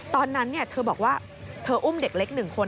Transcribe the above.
ตอนนั้นเธอบอกว่าเธออุ้มเด็กเล็ก๑คน